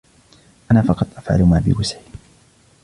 انا فقط افعل ما بوسعي.